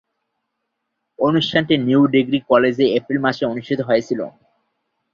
অনুষ্ঠানটি new degree কলেজে April মাসে অনুষ্ঠিত হয়েছিলো।